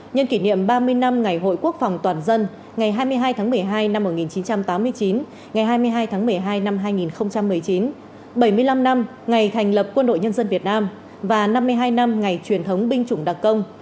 ngày hai mươi hai tháng một mươi hai năm một nghìn chín trăm tám mươi chín ngày hai mươi hai tháng một mươi hai năm hai nghìn một mươi chín bảy mươi năm năm ngày thành lập quân đội nhân dân việt nam và năm mươi hai năm ngày truyền thống binh chủng đặc công